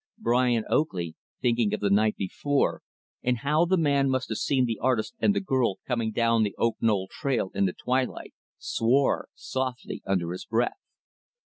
Brian Oakley, thinking of the night before, and how the man must have seen the artist and the girl coming down the Oak Knoll trail in the twilight, swore softly under his breath.